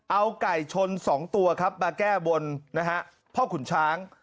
เอาไก่ชน๒ตัวครับมาแก้บนนะฮะพ่อขุนช้าง